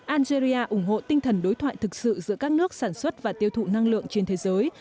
algeria ủng hộ tinh thần đối thoại thực sự giữa các nước sản xuất và tiêu thụ năng lượng trên thế giới